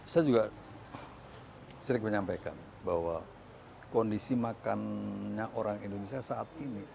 saya juga sering menyampaikan bahwa kondisi makannya orang indonesia saat ini